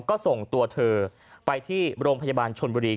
ก็ส่งตัวเธอไปที่โรงพยาบาลชนบุรี